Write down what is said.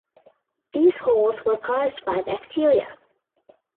These holes were caused by bacteria.